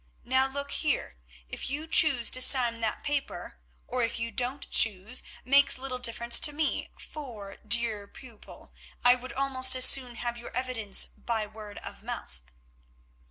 Now look here. If you choose to sign that paper, or if you don't choose, makes little difference to me, for, dear pupil, I would almost as soon have your evidence by word of mouth."